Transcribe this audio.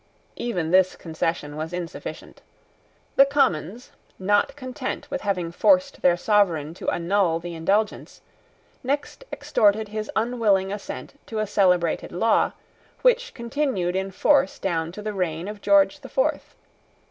Even this concession was insufficient. The Commons, not content with having forced their sovereign to annul the Indulgence, next extorted his unwilling assent to a celebrated law, which continued in force down to the reign of George the Fourth.